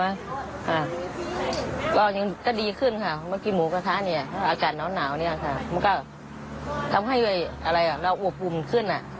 ค่ะก็ยังก็ดีขึ้นค่ะเมื่อกี้หมูกระทะเนี่ยอากาศหนาวเนี่ยค่ะมันก็ทำให้อะไรอ่ะเราอวบอุ่นขึ้นอ่ะ